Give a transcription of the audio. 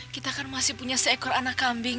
kita kan masih punya seekor anak kambing